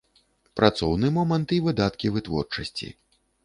Працоўны момант і выдаткі вытворчасці.